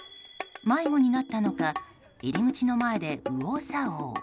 迷子になったのか入り口の前で右往左往。